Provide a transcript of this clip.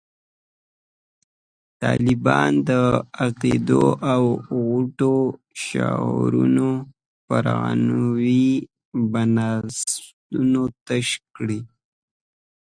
طالبانو د عقدو او غوټو شاجورونه پر عنعنوي بنسټونو تش کړل.